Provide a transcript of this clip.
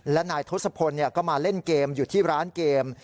และนายทศพลก็มาเล่นเกมอยู่ที่ร้านเกม